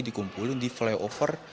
dikumpulin di flyover